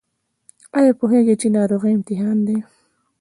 ایا پوهیږئ چې ناروغي امتحان دی؟